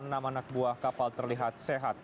enam anak buah kapal terlihat sehat